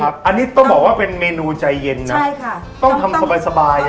อันนี้ต้องบอกว่าเป็นเมนูใจเย็นนะใช่ค่ะต้องทำสบาย